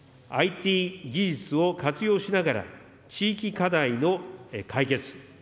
ＩＴ技術を活用しながら、地域課題の解決。